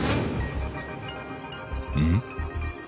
うん？